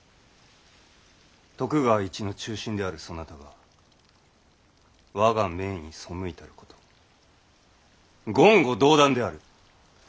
徳川一の忠臣であるそなたが我が命に背いたること言語道断である！